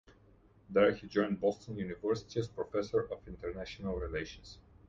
There he joined Boston University as Professor of International Relations.